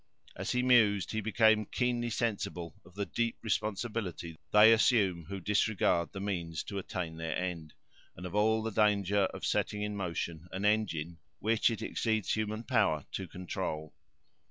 As he mused he became keenly sensible of the deep responsibility they assume who disregard the means to attain the end, and of all the danger of setting in motion an engine which it exceeds human power to control.